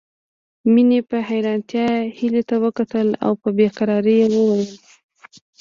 مينې په حيرانتيا هيلې ته وکتل او په بې قرارۍ يې وويل